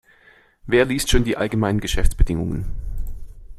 Wer liest schon die allgemeinen Geschäftsbedingungen?